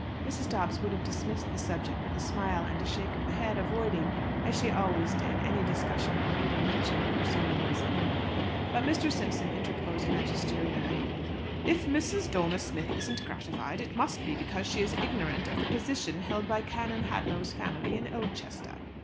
Mrs. Dobbs would have dismissed the subject with a smile and a shake of the head, avoiding, as she always did, any discussion or even mention of her son in law's family; but Mr. Simpson interposed magisterially "If Mrs. Dormer Smith isn't gratified, it must be because she is ignorant of the position held by Canon Hadlow's family in Oldchester."